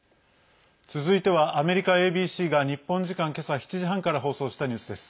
続いてはアメリカＡＢＣが日本時間、今朝７時半から放送したニュースです。